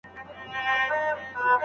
قصاص د ټولني لپاره د امن ضامن دی.